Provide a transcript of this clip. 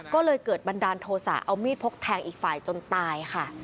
ก็เลยเกิดบันดาลโทษะเอามีดพกแทงอีกฝ่ายจนตายค่ะ